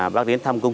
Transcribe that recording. bác đến thăm của tôi